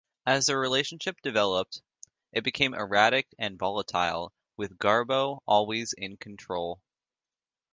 As their relationship developed, it became erratic and volatile with Garbo always in control.